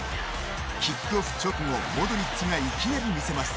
キックオフ直後モドリッチがいきなり見せます。